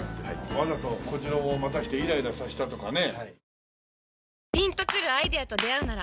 わざと小次郎を待たせてイライラさせたとかね。